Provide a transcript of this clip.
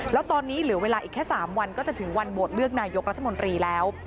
แล้วตอนนี้เหลือเวลาอีกแค่๓วันก็จะถึงวันโหวตเลือกนายกรัฐมนตรีแล้ว